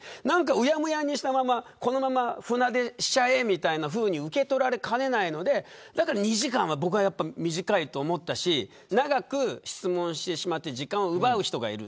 うやむやにしたままこのまま船出しちゃえみたいに受け止められかねないので２時間は短いと思ったし長く質問してしまって時間を奪う人がいる。